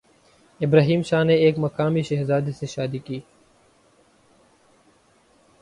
ابراہیم شاہ نے ایک مقامی شہزادی سے شادی کی